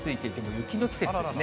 雪の季節ですね。